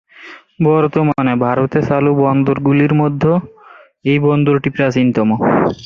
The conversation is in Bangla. বর্তমানে ভারতের চালু বন্দরগুলির মধ্যে এই বন্দরটি প্রাচীনতম।